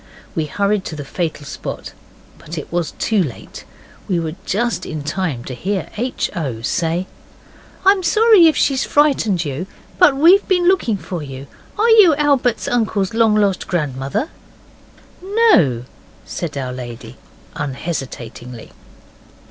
We hurried to the fatal spot, but it was too late. We were just in time to hear H. O. say 'I'm sorry if she frightened you. But we've been looking for you. Are you Albert's uncle's long lost grandmother?' 'NO,' said our lady unhesitatingly.